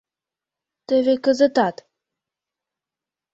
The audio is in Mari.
Теве кызытат.